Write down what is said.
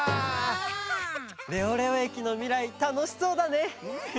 レオレオ駅のみらいたのしそうだね！